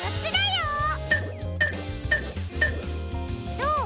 どう？